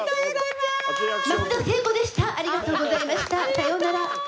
さようなら。